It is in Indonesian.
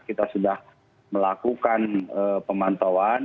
kita sudah melakukan pemantauan